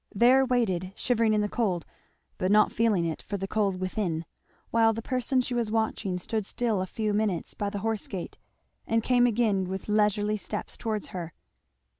There waited, shivering in the cold but not feeling it for the cold within, while the person she was watching stood still a lew moments by the horse gate and came again with leisurely steps towards her.